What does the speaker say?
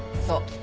そう。